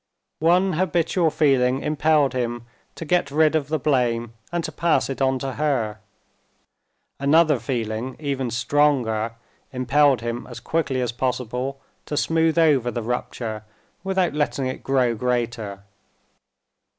One habitual feeling impelled him to get rid of the blame and to pass it on to her. Another feeling, even stronger, impelled him as quickly as possible to smooth over the rupture without letting it grow greater.